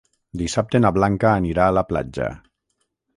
Dissabte na Blanca anirà a la platja.